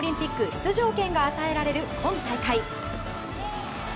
出場権が与えられる今大会。